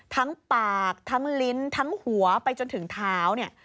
ทั้งปากทั้งลิ้นทั้งหัวไปจนถึงเท้าเนี่ย